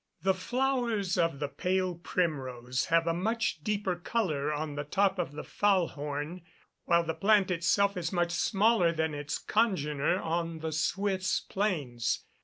The flowers of the pale primrose have a much deeper colour on the top of the Faulhorn, while the plant itself is much smaller than its congener on the Swiss plains.